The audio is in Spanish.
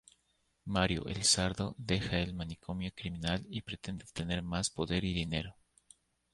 Mario el Sardo deja el manicomio criminal y pretende obtener más poder y dinero.